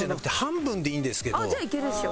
じゃあいけるでしょ。